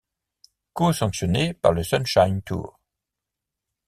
Co-sanctionné par le Sunshine Tour.